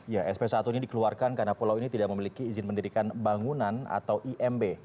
ya sp satu ini dikeluarkan karena pulau ini tidak memiliki izin mendirikan bangunan atau imb